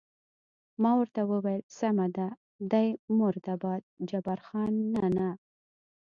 ما ورته وویل: سمه ده، دی مرده باد، جبار خان: نه، نه.